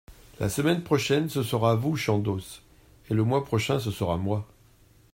La semaine prochaine ce sera vous, Chandos, et le mois prochain ce sera moi.